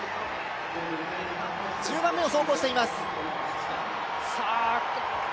１０番目を走行しています。